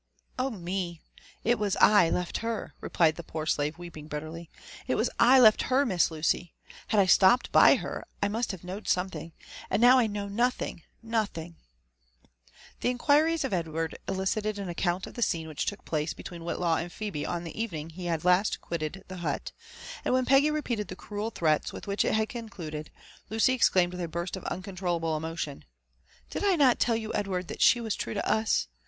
"Oh me I it was I left her!'* repUed the poor slave, weeping bit terly,—" it was I left her. Miss Lucy 1 — Had Tstopped by her, I must have knowed something ; and now I know nothing — nothing I" The inquiries of Edward elicited an account of the scene which took place between Whitlaw and Phebe on the evening he had last quilted the hut: and when Peggy repeated the cruel threats with which it had concluded, Lucy exclaimed with a burst of uncontrollable emotion *" Did I not tell you, Edward, that she was true to us?